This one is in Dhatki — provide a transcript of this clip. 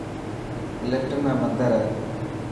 ڪلفٽن ۾ مندر هي